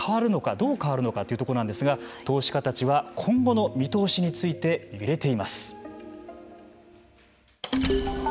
どう変わるのかというところなんですが投資家たちは今後の見通しについて揺れています。